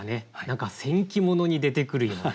何か戦記物に出てくるような。